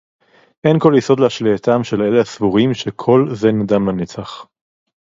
אֵין כָּל יְסוֹד לְאַשְׁלָיָיתָם שֶׁל אֵלֶּה הַסְּבוּרִים שָׁקוּל זֶה נָדַם לָנֶצַח